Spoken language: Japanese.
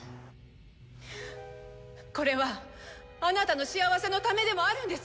これはあなたの幸せのためでもあるんです！